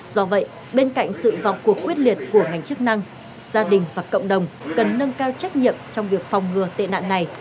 do vậy bên cạnh sự vào cuộc quyết liệt của ngành chức năng gia đình và cộng đồng cần nâng cao trách nhiệm trong việc phòng ngừa tệ nạn này